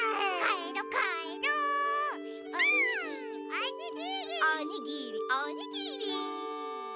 おにぎりおにぎり！